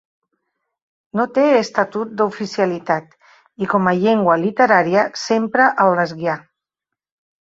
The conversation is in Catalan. No té estatut d'oficialitat i com a llengua literària s'empra el lesguià.